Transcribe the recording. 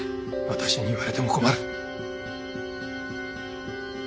私に言われても困る。